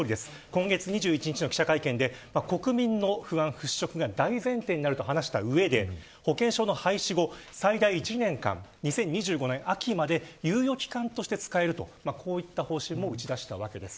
今月２１日の記者会見で国民の不安払拭が大前提になると話した上で保険証の廃止後、最大１年間２０２５年秋まで猶予期間として使えるといった方針も打ち出したわけです。